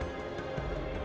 dia juga menangis